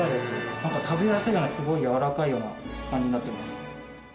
なんか食べやすいようなすごいやわらかいような感じになってます。